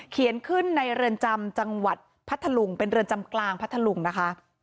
เขียนขึ้นในเรือนจำจังหวัดพัทธลุงเป็นเรือนจำกลางพัทธลุงนะคะ